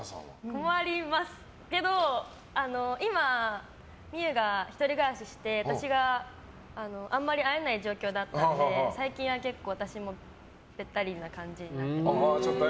困りますけど今、望結が１人暮らしして私があんまり会えない状況だったので最近は結構私もべったりな感じで。